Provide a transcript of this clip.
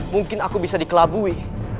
mungkin aku bisa dikelabui